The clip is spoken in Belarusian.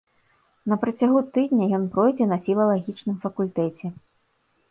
На працягу тыдня ён пройдзе на філалагічным факультэце.